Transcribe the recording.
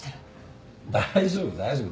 大丈夫大丈夫。